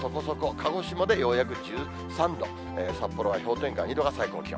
鹿児島でようやく１３度、札幌は氷点下２度が最高気温。